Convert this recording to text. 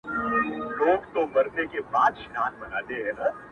• د وخـــت گــــردونـه پــر پـيـــكي را اوري؛